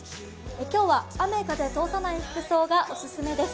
今日は雨風通さない服装がお勧めです。